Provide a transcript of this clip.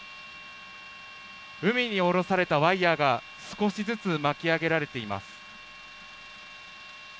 海に下ろされたワイヤーが少しずつ巻き上げられています。